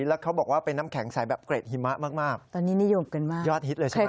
แล้วเขาบอกว่าเป็นน้ำแข็งใสแบบเกรดหิมะมากมากตอนนี้นิยมกันมากยอดฮิตเลยใช่ไหม